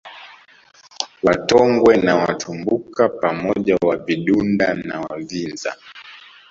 Watongwe na Watumbuka pamoja Wavidunda na Wavinza